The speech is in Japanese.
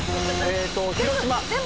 広島。